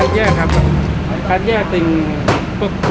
และที่เราต้องใช้เวลาในการปฏิบัติหน้าที่ระยะเวลาหนึ่งนะครับ